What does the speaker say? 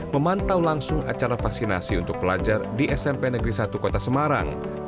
memantau langsung acara vaksinasi untuk pelajar di smp negeri satu kota semarang